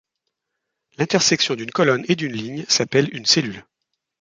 L'intersection d'une colonne et d'une ligne s'appelle une cellule.